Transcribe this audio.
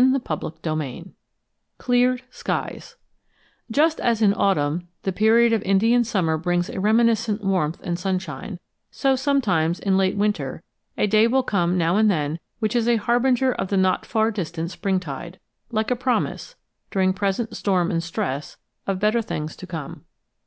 CHAPTER XXI CLEARED SKIES Just as in autumn, the period of Indian summer brings a reminiscent warmth and sunshine, so sometimes in late winter a day will come now and then which is a harbinger of the not far distant springtide, like a promise, during present storm and stress, of better things to come.